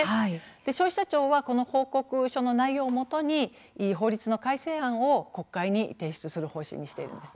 消費者庁は、報告書の内容をもとに法律の改正案を国会に提出することにしています。